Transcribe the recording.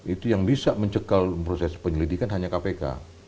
itu yang bisa mencekal proses penyelidikan hanya kpk